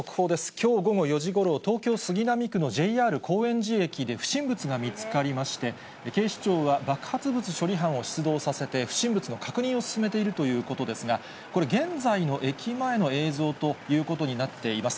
きょう午後４時ごろ、東京・杉並区のＪＲ高円寺駅で不審物が見つかりまして、警視庁は爆発物処理班を出動させて不審物の確認を進めているということですが、これ、現在の駅前の映像ということになっています。